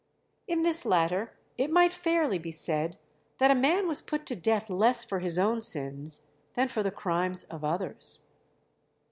In this latter it might fairly be said that a man was put to death less for his own sins than for the crimes of others.